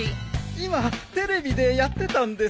今テレビでやってたんですよ。